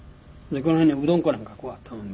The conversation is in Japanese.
この辺にうどん粉なんかあったもんで。